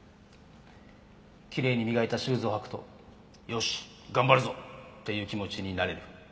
きれいに磨いたシューズを履くとよし頑張るぞ！っていう気持ちになれる。